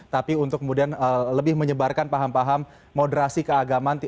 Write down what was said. tapi untuk kemudian lebih menyebarkan paham paham moderasi keagamaan